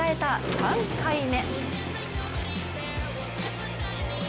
３回目。